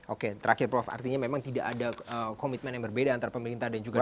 oke terakhir prof artinya memang tidak ada komitmen yang berbeda antara pemerintah dan juga pemerintah